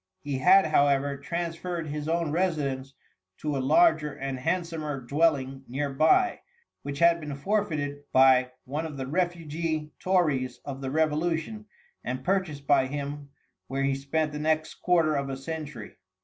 He had, however, transferred his own residence to a larger and handsomer dwelling near by, which had been forfeited by one of the refugee tories of the revolution and purchased by him, where he spent the next quarter of a century.